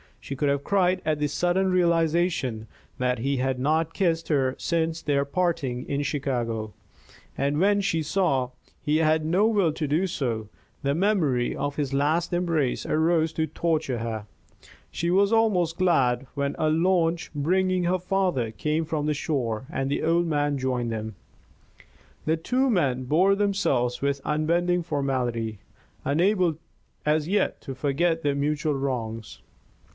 She could have cried at the sudden realization that he had not kissed her since their parting in Chicago; and when she saw he had no will to do so, the memory of his last embrace arose to torture her. She was almost glad when a launch bringing her father came from the shore, and the old man joined them. The two men bore themselves with unbending formality, unable as yet to forget their mutual wrongs.